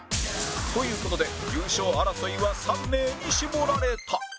という事で優勝争いは３名に絞られた